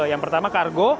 yang pertama kargo